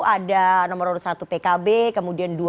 ada nomor urut selanjutnya